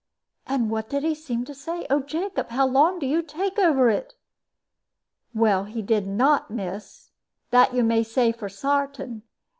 "And what did he seem to say? Oh, Jacob, how long you do take over it!" "Well, he did not, miss; that you may say for sartain.